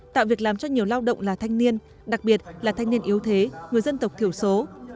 tạo việc làm cho nhiều lao động là thanh niên đặc biệt là thanh niên yếu thế người dân tộc thiểu số